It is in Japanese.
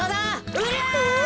うりゃ！